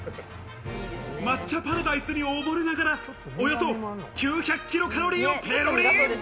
抹茶パラダイスにおぼれながら、およそ９００ｋｃａｌをペロリ。